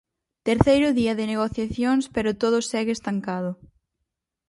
Terceiro día de negociacións, pero todo segue estancado.